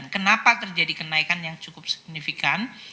kenapa terjadi kenaikan yang cukup signifikan